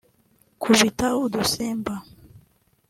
kubita udusimba